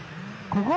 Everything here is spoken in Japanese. ここ！